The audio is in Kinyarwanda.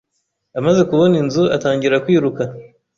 Amaze kubona inzu, atangira kwiruka.